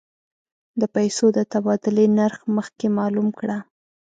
د پیسو د تبادلې نرخ مخکې معلوم کړه.